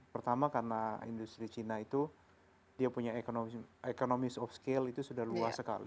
pertama karena industri cina itu dia punya ekonomis off scale itu sudah luas sekali